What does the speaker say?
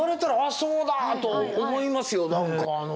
そうだと思いますよなんかあの。